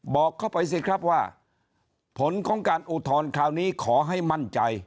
บอกเข้าไปสิครับว่าผลของการอุทธรณ์คราวนี้ขอให้มั่นใจ